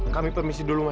kami permisi dulu mas